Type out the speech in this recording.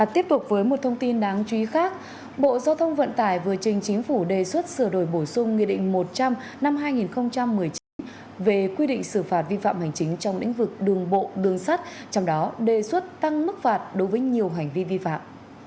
tiếp tục với một thông tin đáng chú ý khác bộ giao thông vận tải vừa trình chính phủ đề xuất sửa đổi bổ sung nghị định một trăm linh năm hai nghìn một mươi chín về quy định xử phạt vi phạm hành chính trong lĩnh vực đường bộ đường sắt trong đó đề xuất tăng mức phạt đối với nhiều hành vi vi phạm